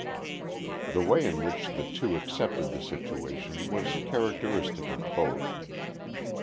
The way in which the two accepted the situation was characteristic of both.